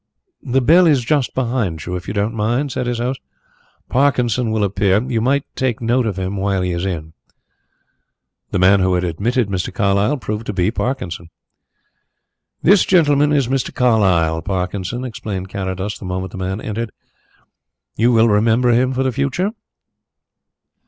"The bell is just behind you, if you don't mind," said his host. "Parkinson will appear. You might take note of him while he is in." The man who had admitted Mr. Carlyle proved to be Parkinson. "This gentleman is Mr. Carlyle, Parkinson," explained Carrados the moment the man entered. "You will remember him for the future?"